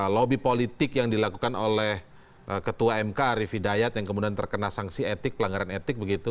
lobby politik yang dilakukan oleh ketua mk arief hidayat yang kemudian terkena sanksi etik pelanggaran etik begitu